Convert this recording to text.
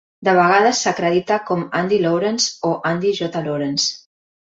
De vegades, s'acredita com Andy Lawrence o Andy J. Lawrence.